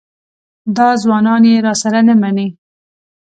دا ځوانان یې راسره نه مني.